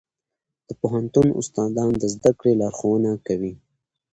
د پوهنتون استادان د زده کړې لارښوونه کوي.